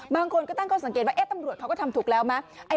บางคนก็ตั้งข้อสังเกตว่าตำรวจเขาก็ทำถูกแล้วไหม